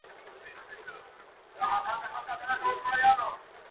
لار به څرنګه مهار سي د پېړیو د خونیانو-